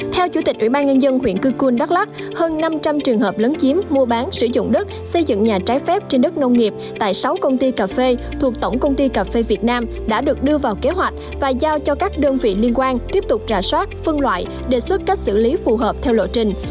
theo chủ tịch ủy ban nhân dân huyện cư cuôn đắk lắc hơn năm trăm linh trường hợp lấn chiếm mua bán sử dụng đất xây dựng nhà trái phép trên đất nông nghiệp tại sáu công ty cà phê thuộc tổng công ty cà phê việt nam đã được đưa vào kế hoạch và giao cho các đơn vị liên quan tiếp tục rà soát phân loại đề xuất cách xử lý phù hợp theo lộ trình